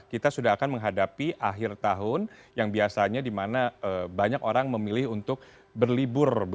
kita sudah akan menghadapi akhir tahun yang biasanya di mana banyak orang memilih untuk berlibur